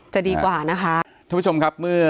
จะดีกว่านะคะ